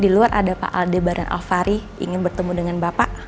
di luar ada pak aldebaran alfari ingin bertemu dengan bapak